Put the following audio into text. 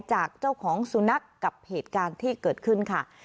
จากเจ้าของสุนัขกับเหตุการณ์ที่เกิดขึ้นค่ะ